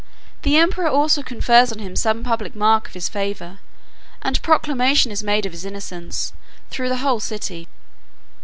The emperor also confers on him some public mark of his favour, and proclamation is made of his innocence through the whole city.